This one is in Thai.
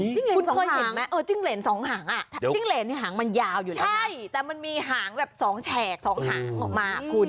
คุณเคยเห็นไหมอย่างนี้หางมันยาวใช่แต่มันมีหางแบบสองแฉก๒หางออกมา